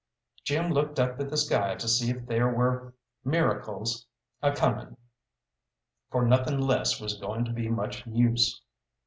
Jim looked up the sky to see if there were miracles a coming, for nothing less was going to be much use.